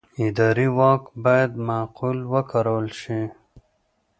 اداري واک باید معقول وکارول شي.